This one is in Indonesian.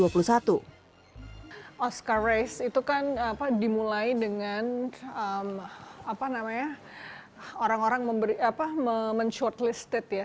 prize itu kan apa dimulai dengan apa namanya orang orang memberi apa men shortlisted ya